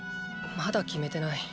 まだ決めてない。